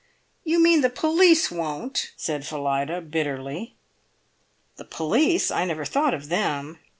"You mean the police won't!" said Phillida, bitterly. "The police! I never thought of them."